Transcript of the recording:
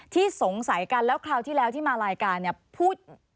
ที่สงสัยกันแล้วคราวที่แล้วที่มารายการเนี่ยพูด